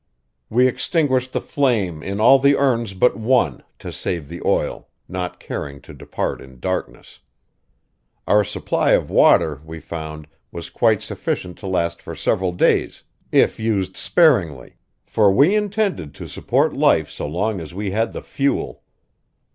We extinguished the flame in all the urns but one to save the oil, not caring to depart in darkness. Our supply of water, we found, was quite sufficient to last for several days, if used sparingly; for we intended to support life so long as we had the fuel.